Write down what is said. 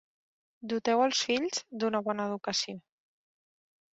Doteu els fills d'una bona educació.